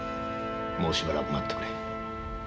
もうしばらく待ってくれ。